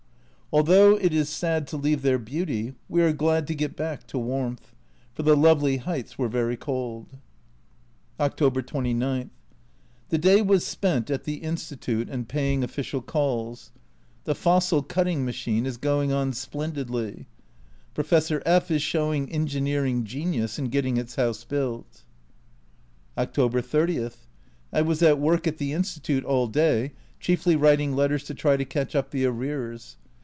Though it is sad to leave their beauty we are glad to get back to warmth, for the lovely heights were very cold. October 29. The day was spent at the Institute A Journal from Japan 63 and paying official calls. The fossil cutting machine is going on splendidly. Professor F is showing engineering genius in getting its house built. October 30. I was at work at the Institute all day, chiefly writing letters to try to catch up the arrears.